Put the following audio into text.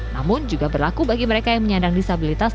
namun juga berlaku bagi mereka yang menyandang disabilitas